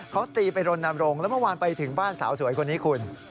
เขาตีไปรณรงค์แล้วเมื่อวานไปถึงบ้านสาวสวยคนนี้คุณ